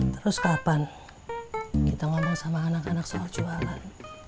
terus kapan kita ngomong sama anak anak soal jualan